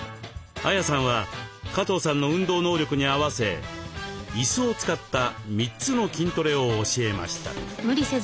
ＡＹＡさんは加藤さんの運動能力に合わせいすを使った３つの筋トレを教えました。